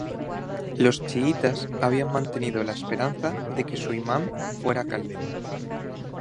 Los chiitas habían mantenido la esperanza de que su imam fuera califa.